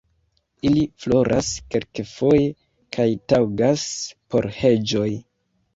Ili floras kelkfoje kaj taŭgas por heĝoj.